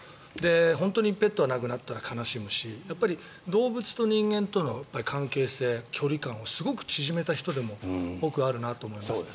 本当にペットが亡くなったら悲しむしやっぱり動物と人間との関係性、距離感をすごく縮めた人でも僕はあるなと思いますね。